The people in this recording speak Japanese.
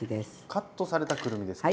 カットされたくるみですね。